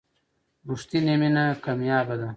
رښتینې مینه کمیابه ده.